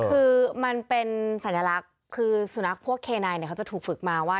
คือมันเป็นสัญลักษณ์คือสุนัขพวกเคนายเนี่ยเขาจะถูกฝึกมาว่า